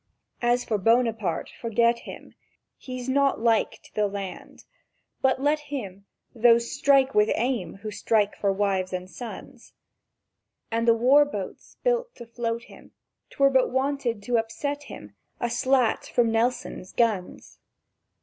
"As for Buonaparte, forget him; He's not like to land! But let him, Those strike with aim who strike for wives and sons! And the war boats built to float him; 'twere but wanted to upset him A slat from Nelson's guns!